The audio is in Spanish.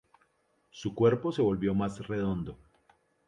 Su cuerpo se volvió más redondo.